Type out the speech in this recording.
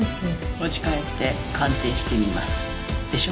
「持ち帰って鑑定してみます」でしょ？